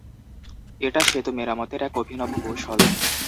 এটা সেতু মেরামতের এক অভিনব কৌশল।